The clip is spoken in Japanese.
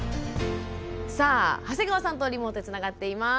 さあ長谷川さんとリモートでつながっています。